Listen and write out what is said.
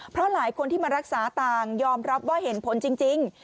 เพราะหลายคนที่มารักษาต่างยอมรับว่าเห็นผลจริง